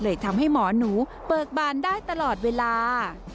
ทำให้หมอหนูเบิกบานได้ตลอดเวลา